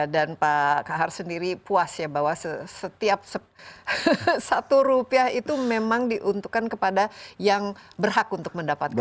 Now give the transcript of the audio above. pak kahar sendiri puas ya bahwa setiap satu rupiah itu memang diuntukkan kepada yang berhak untuk mendapatkan